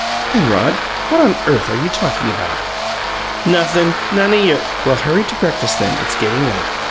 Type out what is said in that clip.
"Penrod, what on earth are you talking about?" "Nothin'. None o' your " "Well, hurry to breakfast, then; it's getting late."